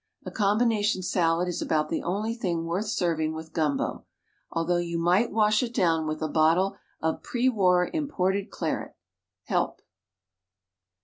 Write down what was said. A Combination Salad is about the only thing worth serving with Gumbo. Although you might wash it down with a bottle of PRE WAR IM PORTED CLARET— HELP!!!!